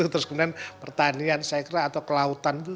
terus kemudian pertanian saya kira atau kelautan itu